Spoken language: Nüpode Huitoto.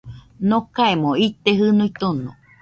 Nokaemo ite jɨnuo tono